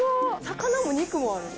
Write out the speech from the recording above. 魚も肉もある。